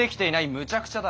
むちゃくちゃだ。